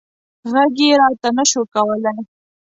غږ یې راته نه شو کولی.